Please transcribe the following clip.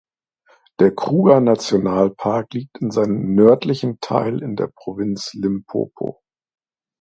Der Kruger-Nationalpark liegt mit seinem nördlichen Teil in der Provinz Limpopo.